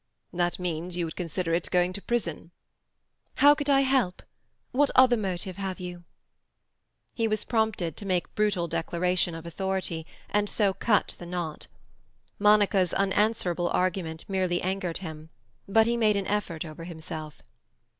"That means you would consider it going to prison." "How could I help? What other motive have you?" He was prompted to make brutal declaration of authority, and so cut the knot. Monica's unanswerable argument merely angered him. But he made an effort over himself.